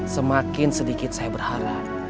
semakin sedikit saya berharap